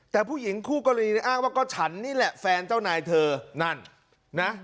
แต่ผู้หญิงคู่กรณีอ้างว่าก็ฉันนี่แหละแฟนเจ้านายเธอนั่นนะ